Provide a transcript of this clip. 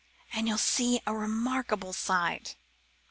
And you'll see a remarkable sight.'